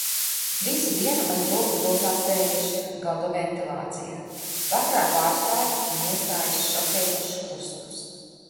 Visu dienu aiz loga plosās vējš, gaudo ventilācijā. Vakarā pārstāj un iestājas šokējošs klusums.